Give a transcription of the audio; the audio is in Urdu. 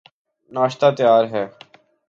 ناشتہ تیار ہے